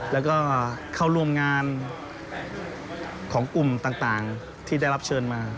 แล้วก็เข้าร่วมงานของกลุ่มต่างที่ได้รับเชิญมา